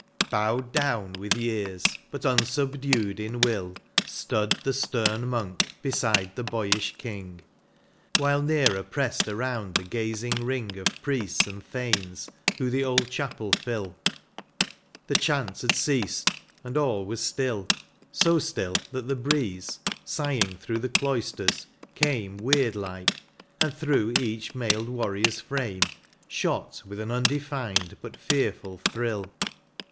Bowed down with years, but unsubdued in will, Stood the stem monk beside the boyish king, While nearer pressed around the gazing ring Of priests and thanes, who the old chapel fill : The chant had ceased, and all was still ; so still. That the breeze, sighing through the cloisters, came Weird like; and through each mailed warrior's frame Shot with an undefined but fearful thrill.